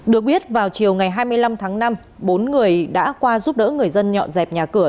được biết vào chiều ngày hai mươi năm tháng năm bốn người đã qua giúp đỡ người dân dọn dẹp nhà cửa